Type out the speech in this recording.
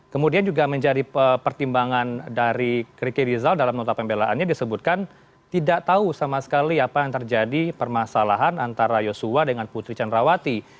kemudian juga menjadi pertimbangan dari riki rizal dalam nota pembelaannya disebutkan tidak tahu sama sekali apa yang terjadi permasalahan antara yosua dengan putri candrawati